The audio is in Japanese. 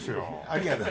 ありがとう。